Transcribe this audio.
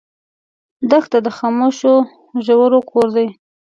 دښته د خاموشو ژورو کور دی.